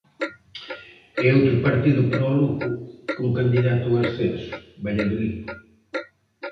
E outro partido para o Lugo cun candidato ao ascenso, Valladolid.